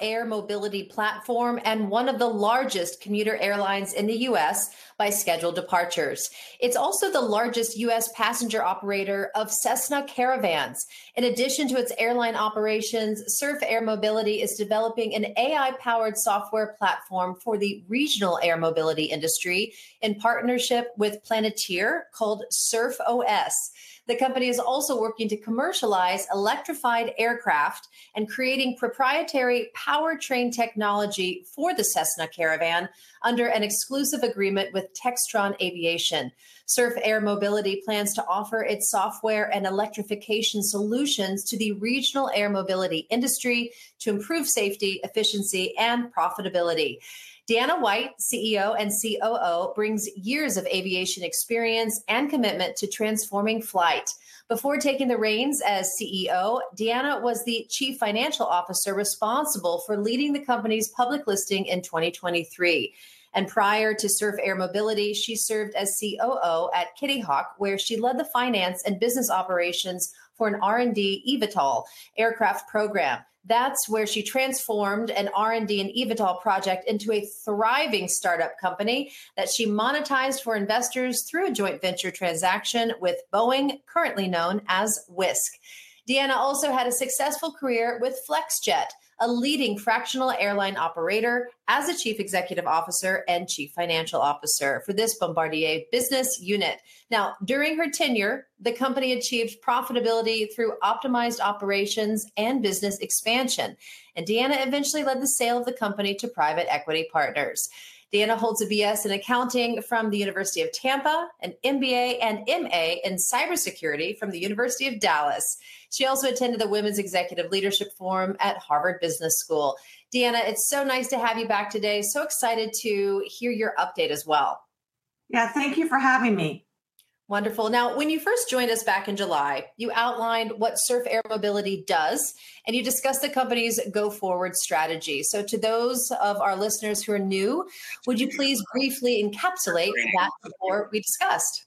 Air mobility platform and one of the largest commuter airlines in the U.S. by scheduled departures. It's also the largest U.S. passenger operator of Cessna Caravans. In addition to its airline operations, Surf Air Mobility is developing an AI-powered software platform for the regional air mobility industry in partnership with Palantir Technologies called Surf OS. The company is also working to commercialize electrified aircraft and creating proprietary powertrain technology for the Cessna Caravan under an exclusive agreement with Textron Aviation. Surf Air Mobility plans to offer its software and electrification solutions to the regional air mobility industry to improve safety, efficiency, and profitability. Deanna White, CEO and COO, brings years of aviation experience and commitment to transforming flight. Before taking the reins as CEO, Deanna was the Chief Financial Officer responsible for leading the company's public listing in 2023. Prior to Surf Air Mobility, she served as COO at Kitty Hawk, where she led the finance and business operations for an R&D eVTOL aircraft program. That's where she transformed an R&D and eVTOL project into a thriving startup company that she monetized for investors through a joint venture transaction with Boeing, currently known as WISC. Deanna also had a successful career with Flexjet, a leading fractional airline operator, as a Chief Executive Officer and Chief Financial Officer for this Bombardier business unit. During her tenure, the company achieved profitability through optimized operations and business expansion. Deanna eventually led the sale of the company to private equity partners. Deanna holds a BS in Accounting from the University of Tampa, an MBA and MA in Cybersecurity from the University of Dallas. She also attended the Women's Executive Leadership Forum at Harvard Business School. Deanna, it's so nice to have you back today. Excited to hear your update as well. Yeah, thank you for having me. Wonderful. Now, when you first joined us back in July, you outlined what Surf Air Mobility does, and you discussed the company's go-forward strategy. To those of our listeners who are new, would you please briefly encapsulate that for what we discussed?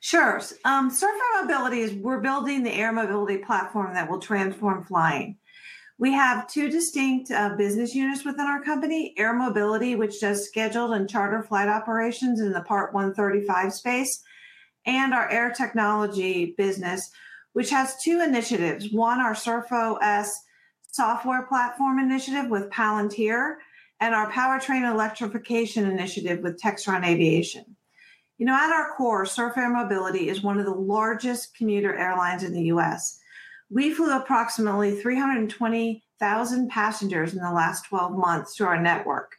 Sure. Surf Air Mobility is, we're building the air mobility platform that will transform flying. We have two distinct business units within our company: Air Mobility, which does scheduled and charter flight operations in the Part 135 space, and our Air Technology business, which has two initiatives: one, our Surf OS software platform initiative with Palantir Technologies, and our powertrain electrification initiative with Textron Aviation. At our core, Surf Air Mobility is one of the largest commuter airlines in the U.S. We flew approximately 320,000 passengers in the last 12 months through our network.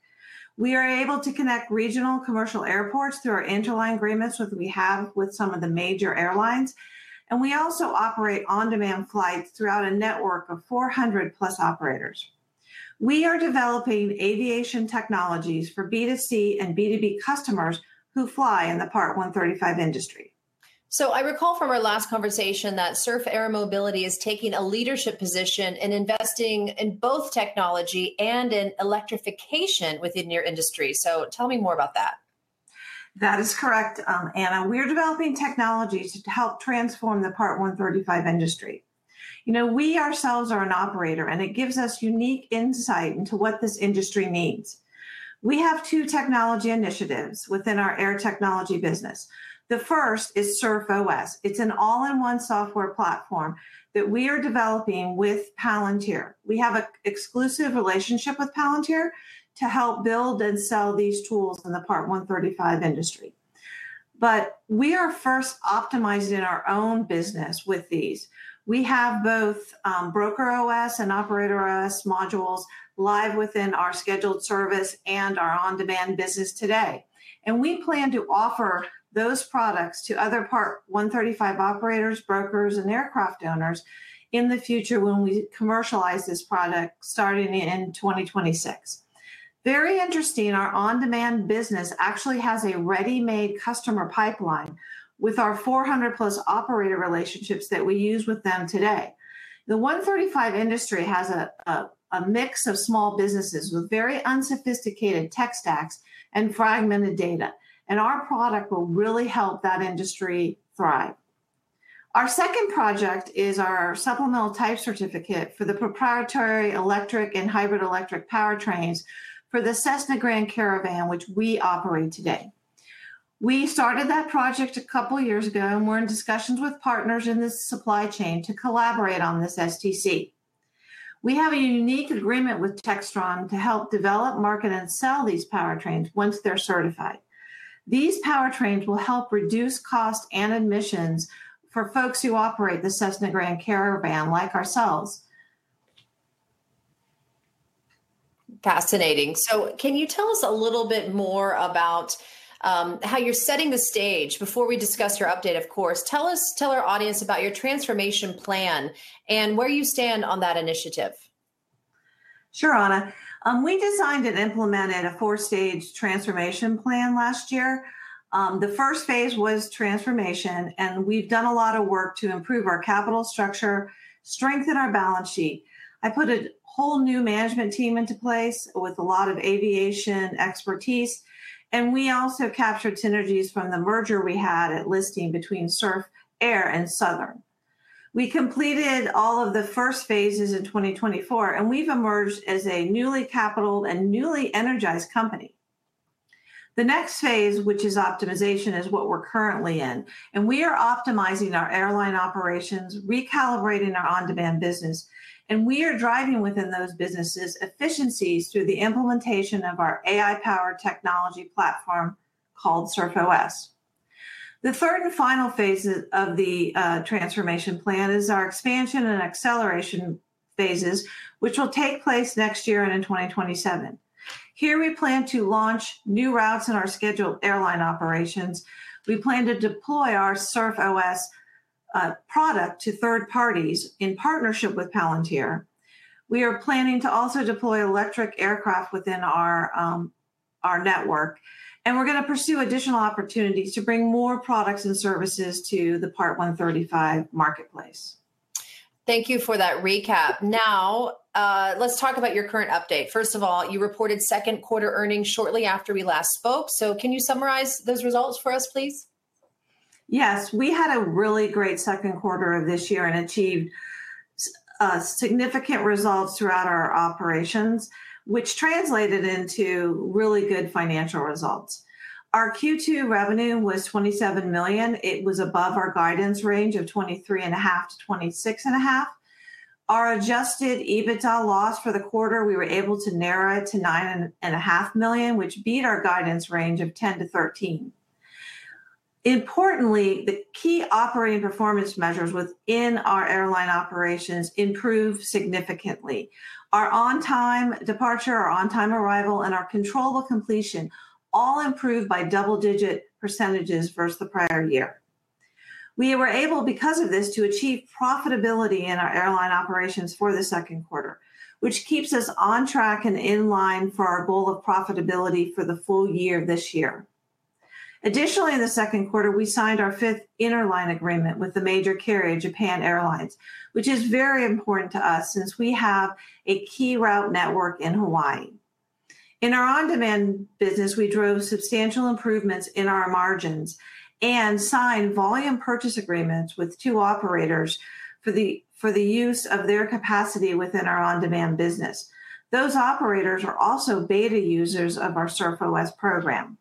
We are able to connect regional commercial airports through our interline agreements that we have with some of the major airlines. We also operate on-demand flights throughout a network of 400+ operators. We are developing aviation technologies for B2C and B2B customers who fly in the Part 135 industry. I recall from our last conversation that Surf Air Mobility is taking a leadership position in investing in both technology and in electrification within your industry. Tell me more about that. That is correct, Anna. We are developing technologies to help transform the Part 135 industry. You know, we ourselves are an operator, and it gives us unique insight into what this industry needs. We have two technology initiatives within our Air Technology business. The first is Surf OS. It's an all-in-one software platform that we are developing with Palantir Technologies. We have an exclusive relationship with Palantir Technologies to help build and sell these tools in the Part 135 industry. We are first optimized in our own business with these. We have both Broker OS and Operator OS modules live within our scheduled service and our on-demand business today. We plan to offer those products to other Part 135 operators, brokers, and aircraft owners in the future when we commercialize this product, starting in 2026. Very interesting, our on-demand business actually has a ready-made customer pipeline with our 400+ operator relationships that we use with them today. The Part 135 industry has a mix of small businesses with very unsophisticated tech stacks and fragmented data. Our product will really help that industry thrive. Our second project is our supplemental type certificate for the proprietary electric and hybrid electric powertrains for the Cessna Grand Caravan, which we operate today. We started that project a couple of years ago, and we're in discussions with partners in this supply chain to collaborate on this STC. We have a unique agreement with Textron Aviation to help develop, market, and sell these powertrains once they're certified. These powertrains will help reduce costs and emissions for folks who operate the Cessna Grand Caravan like ourselves. Fascinating. Can you tell us a little bit more about how you're setting the stage? Before we discuss your update, of course, tell our audience about your transformation plan and where you stand on that initiative. Sure, Anna. We designed and implemented a four-stage transformation plan last year. The first phase was transformation, and we've done a lot of work to improve our capital structure, strengthen our balance sheet. I put a whole new management team into place with a lot of aviation expertise. We also captured synergies from the merger we had at listing between Surf Air and Southern. We completed all of the first phases in 2024, and we've emerged as a newly capital and newly energized company. The next phase, which is optimization, is what we're currently in. We are optimizing our airline operations, recalibrating our on-demand business, and we are driving within those businesses efficiencies through the implementation of our AI-powered technology platform called Surf OS. The third and final phase of the transformation plan is our expansion and acceleration phases, which will take place next year and in 2027. Here we plan to launch new routes in our scheduled airline operations. We plan to deploy our Surf OS product to third parties in partnership with Palantir Technologies. We are planning to also deploy electric aircraft within our network. We're going to pursue additional opportunities to bring more products and services to the Part 135 marketplace. Thank you for that recap. Now, let's talk about your current update. First of all, you reported second quarter earnings shortly after we last spoke. Can you summarize those results for us, please? Yes, we had a really great second quarter of this year and achieved significant results throughout our operations, which translated into really good financial results. Our Q2 revenue was $27 million. It was above our guidance range of $23.5 to $26.5 million. Our adjusted EBITDA loss for the quarter, we were able to narrow it to $9.5 million, which beat our guidance range of $10 to $13 million. Importantly, the key operating performance measures within our airline operations improved significantly. Our on-time departure, our on-time arrival, and our control of completion all improved by double-digit % versus the prior year. We were able, because of this, to achieve profitability in our airline operations for the second quarter, which keeps us on track and in line for our goal of profitability for the full year this year. Additionally, in the second quarter, we signed our fifth interline agreement with the major carrier, Japan Airlines, which is very important to us since we have a key route network in Hawaii. In our on-demand business, we drove substantial improvements in our margins and signed volume purchase agreements with two operators for the use of their capacity within our on-demand business. Those operators are also beta users of our Surf OS program.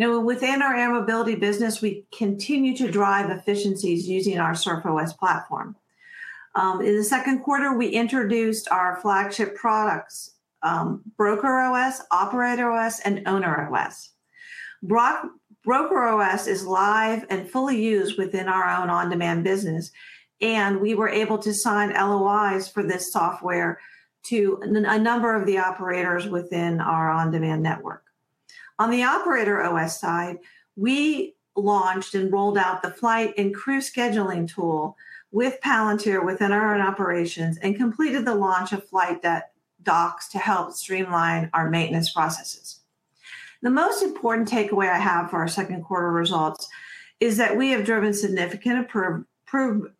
Now, within our air mobility business, we continue to drive efficiencies using our Surf OS platform. In the second quarter, we introduced our flagship products: Broker OS, Operator OS, and Owner OS. Broker OS is live and fully used within our own on-demand business. We were able to sign LOIs for this software to a number of the operators within our on-demand network. On the Operator OS side, we launched and rolled out the flight and crew scheduling tool with Palantir Technologies within our operations and completed the launch of flight docs to help streamline our maintenance processes. The most important takeaway I have for our second quarter results is that we have driven significant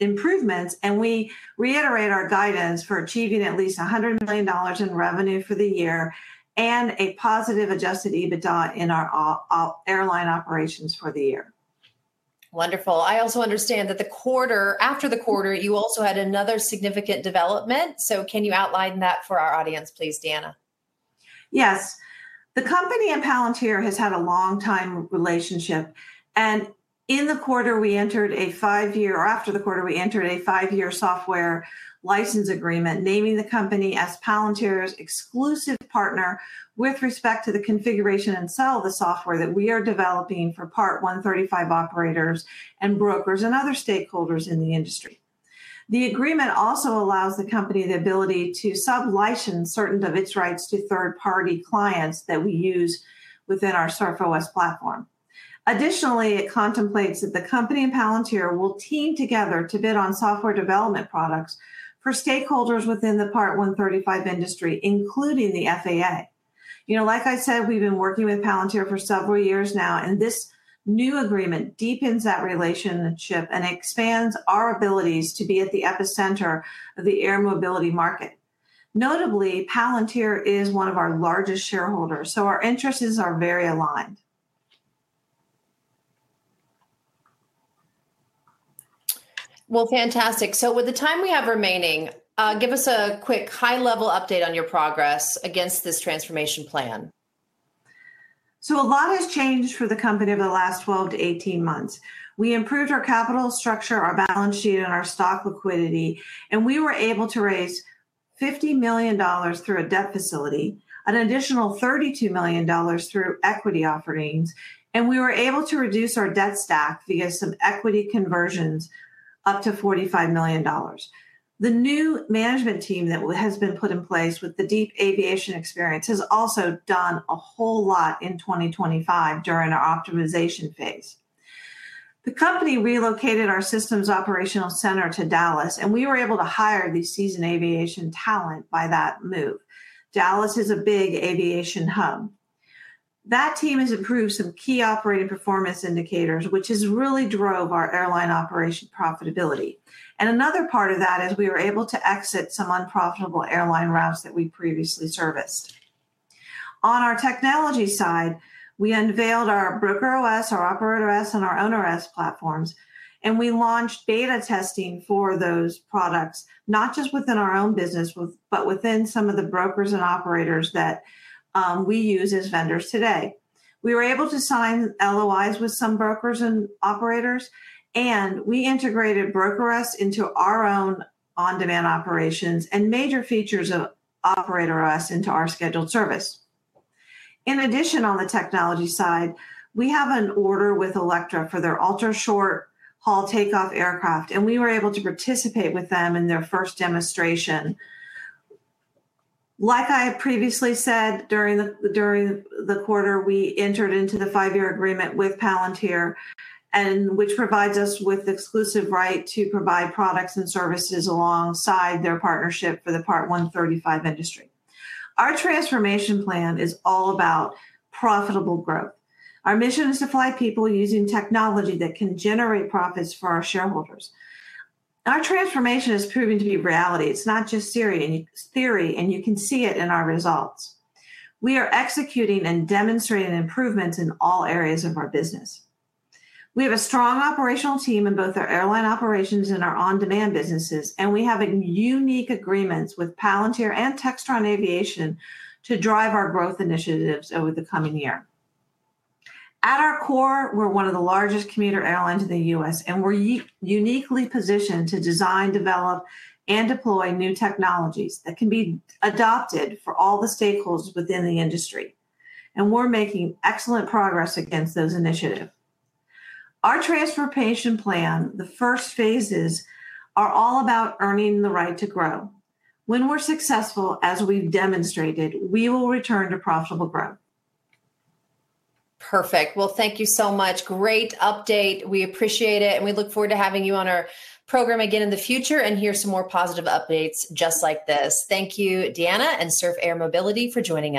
improvements, and we reiterate our guidance for achieving at least $100 million in revenue for the year and a positive adjusted EBITDA in our airline operations for the year. Wonderful. I also understand that after the quarter, you also had another significant development. Can you outline that for our audience, please, Deanna? Yes. The company and Palantir Technologies have had a long-time relationship. In the quarter, we entered a five-year, or after the quarter, we entered a five-year software license agreement, naming the company as Palantir Technologies' exclusive partner with respect to the configuration and sale of the software that we are developing for Part 135 operators and brokers and other stakeholders in the industry. The agreement also allows the company the ability to sublicense certain of its rights to third-party clients that we use within our Surf OS platform. Additionally, it contemplates that the company and Palantir Technologies will team together to bid on software development products for stakeholders within the Part 135 industry, including the FAA. Like I said, we've been working with Palantir Technologies for several years now, and this new agreement deepens that relationship and expands our abilities to be at the epicenter of the air mobility market. Notably, Palantir Technologies is one of our largest shareholders, so our interests are very aligned. Fantastic. With the time we have remaining, give us a quick high-level update on your progress against this transformation plan. A lot has changed for the company over the last 12 to 18 months. We improved our capital structure, our balance sheet, and our stock liquidity, and we were able to raise $50 million through a debt facility, an additional $32 million through equity offerings, and we were able to reduce our debt stack via some equity conversions up to $45 million. The new management team that has been put in place with the deep aviation experience has also done a whole lot in 2025 during our optimization phase. The company relocated our systems operational center to Dallas, and we were able to hire the seasoned aviation talent by that move. Dallas is a big aviation hub. That team has improved some key operating performance indicators, which really drove our airline operation profitability. Another part of that is we were able to exit some unprofitable airline routes that we previously serviced. On our technology side, we unveiled our Broker OS, our Operator OS, and our Owner OS platforms, and we launched beta testing for those products, not just within our own business, but within some of the brokers and operators that we use as vendors today. We were able to sign LOIs with some brokers and operators, and we integrated Broker OS into our own on-demand operations and major features of Operator OS into our scheduled service. In addition, on the technology side, we have an order with Electra for their ultra-short haul takeoff aircraft, and we were able to participate with them in their first demonstration. Like I previously said, during the quarter, we entered into the five-year agreement with Palantir Technologies, which provides us with the exclusive right to provide products and services alongside their partnership for the Part 135 industry. Our transformation plan is all about profitable growth. Our mission is to fly people using technology that can generate profits for our shareholders. Our transformation is proving to be reality. It's not just theory, and you can see it in our results. We are executing and demonstrating improvements in all areas of our business. We have a strong operational team in both our airline operations and our on-demand businesses, and we have unique agreements with Palantir Technologies and Textron Aviation to drive our growth initiatives over the coming year. At our core, we're one of the largest commuter airlines in the U.S., and we're uniquely positioned to design, develop, and deploy new technologies that can be adopted for all the stakeholders within the industry. We're making excellent progress against those initiatives. Our transformation plan, the first phases, are all about earning the right to grow. When we're successful, as we've demonstrated, we will return to profitable growth. Perfect. Thank you so much. Great update. We appreciate it, and we look forward to having you on our program again in the future and hear some more positive updates just like this. Thank you, Deanna and Surf Air Mobility, for joining us.